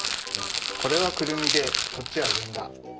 これはクルミでこっちはずんだ。